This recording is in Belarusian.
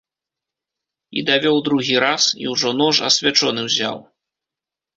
І давёў другі раз, і ўжо нож асвячоны ўзяў.